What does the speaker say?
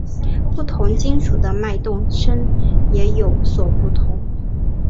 不同金属的脉动声也有所不同。